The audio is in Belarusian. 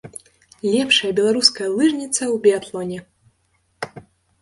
Лепшая беларуская лыжніца ў біятлоне!